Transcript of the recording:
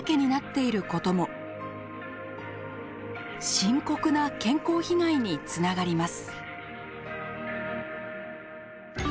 深刻な健康被害につながります。